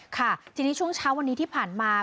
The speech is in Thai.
ค่ะทีนี้ช่วงเช้าวันนี้ที่ผ่านมา